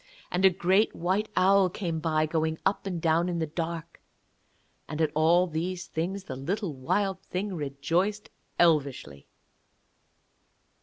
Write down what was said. And a great white owl came by, going up and down in the dark. And at all these things the little Wild Thing rejoiced elvishly.